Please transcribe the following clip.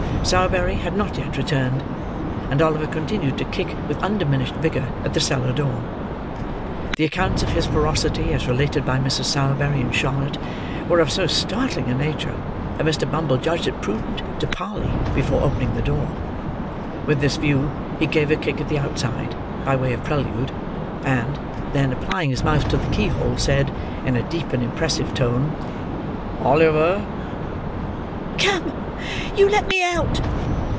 Sowerberry had not yet returned, and Oliver continued to kick, with undiminished vigour, at the cellar door. The accounts of his ferocity as related by Mrs. Sowerberry and Charlotte, were of so startling a nature, that Mr. Bumble judged it prudent to parley, before opening the door. With this view he gave a kick at the outside, by way of prelude; and, then, applying his mouth to the keyhole, said, in a deep and impressive tone: "Oliver!" "Come; you let me out!"